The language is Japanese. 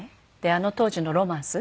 あの当時の『ロマンス』。